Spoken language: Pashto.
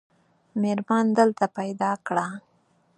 مېرمن دلته پیدا کړه.